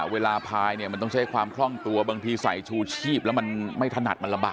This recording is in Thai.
พายเนี่ยมันต้องใช้ความคล่องตัวบางทีใส่ชูชีพแล้วมันไม่ถนัดมันระบาด